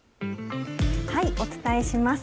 お伝えします。